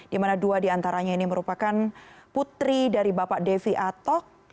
di mana dua diantaranya ini merupakan putri dari bapak devi atok